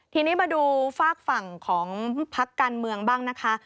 ทีนี้มาดูฝากฝั่งของพักการเมืองบ้างนะคะ